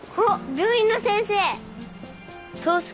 病院の先生。